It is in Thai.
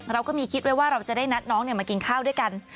เราก็มีคิดไว้ว่าเราจะได้นัดน้องมากินข้าวด้วยกัน